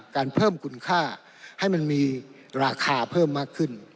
เพิ่มคุณค่าให้มันมีราคาเพิ่มมากขึ้น